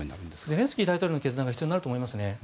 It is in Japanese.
ゼレンスキー大統領の決断が必要になると思いますね。